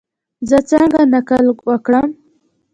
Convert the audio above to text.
زه څنګه نقل وکړم؟